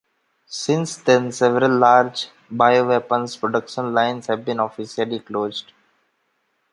Since then several large bioweapons production lines have been officially closed.